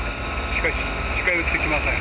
しかし近寄ってきません。